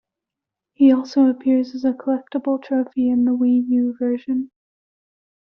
He also appears as a collectable trophy in the Wii U version.